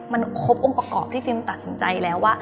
มันครบองค์ประกอบที่ฟิล์มตัดสินใจแล้วว่า